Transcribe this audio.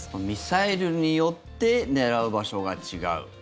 ミサイルによって狙う場所が違う。